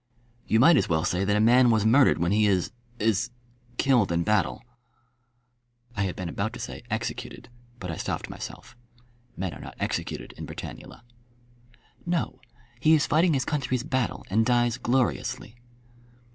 "You might as well say that a man was murdered when he is is killed in battle." I had been about to say "executed," but I stopped myself. Men are not executed in Britannula. "No. He is fighting his country's battle and dies gloriously."